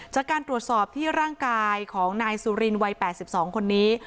จากการตรวจสอบที่ร่างกายของนายสุรินวัย๘๒คนนี้